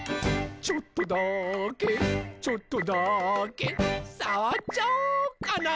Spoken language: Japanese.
「ちょっとだけちょっとだけさわっちゃおうかな」